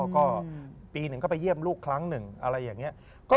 ก็ปีหนึ่งก็ไปเยี่ยมลูกครั้งหนึ่งอะไรอย่างนี้